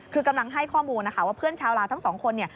คือกำลังให้ข้อมูลนะคะว่าเพื่อนชาวลาวทั้งสองคนเนี่ย